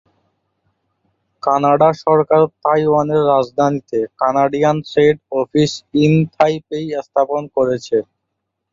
Canada সরকার তাইওয়ানের রাজধানীতে Canadian Trade Office in Taipei স্থাপন করেছে।